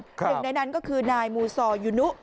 หนึ่งในนั้นก็คือนายมูซอยูนุ